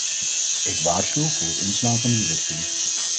Ik waarschuw voor het inslaan van die richting.